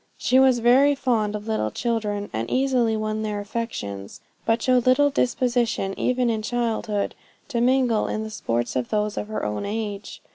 She was very fond of little children, and easily won their affections; but showed little disposition even in childhood, to mingle in the sports of those of her own age.